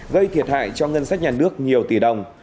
gây thiệt hại cho ngân sách nhà nước nhiều tỷ đồng